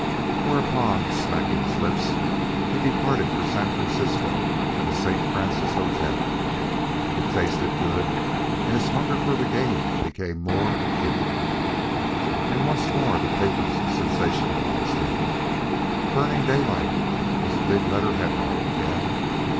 Whereupon, smacking his lips, he departed for San Francisco and the St. Francis Hotel. It tasted good, and his hunger for the game became more acute. And once more the papers sensationalized him. BURNING DAYLIGHT was a big letter headline again.